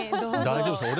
大丈夫ですか？